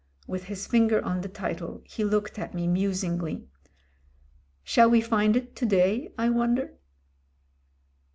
With his finger on the title he looked at me musingly, "Shall we find it to day, I wonder?"